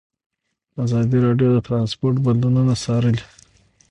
ازادي راډیو د ترانسپورټ بدلونونه څارلي.